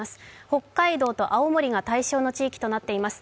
北海道と青森が対象の地域となっています。